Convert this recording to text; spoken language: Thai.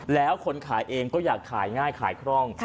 แล้วคนขายเองก็อยากขายง่ายขายคล่อง